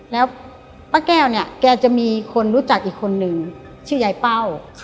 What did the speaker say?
แล้วป้าแก้วเนี่ยแกจะมีคนรู้จักอีกคนนึงชื่อยายเป้า